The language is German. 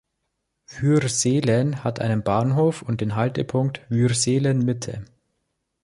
Würselen hatte einen Bahnhof und den Haltepunkt Würselen Mitte.